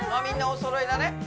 みんなおそろいだね。